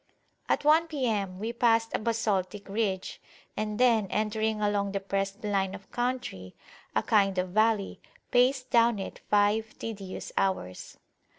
At one P.M we passed a basaltic ridge; and then, entering a long depressed line of country, a kind of valley, paced down it five tedious hours.